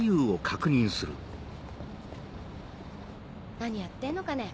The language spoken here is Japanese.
何やってんのかね。